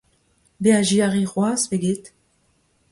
Beajiñ a ri c'hoazh pe get ?